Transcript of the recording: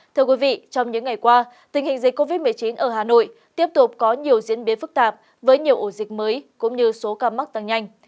thưa quý vị trong những ngày qua tình hình dịch covid một mươi chín ở hà nội tiếp tục có nhiều diễn biến phức tạp với nhiều ổ dịch mới cũng như số ca mắc tăng nhanh